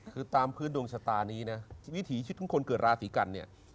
คือตามพื้นดวงชะตานี้นะวิถีชีวิตของคนเกิดราศีกันเนี่ย